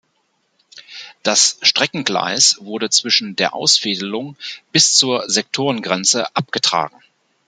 Das Streckengleis wurde zwischen der Ausfädelung bis zur Sektorengrenze abgetragen.